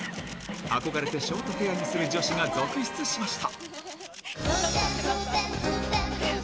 憧れてショートヘアにする女子が続出しました。